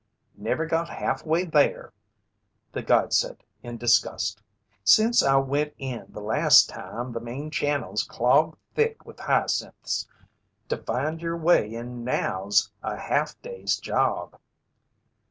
"Never got half way there," the guide said in disgust. "Since I went in last time, the main channel's clogged thick with hyacinths. To find yer way in now's a half day's job."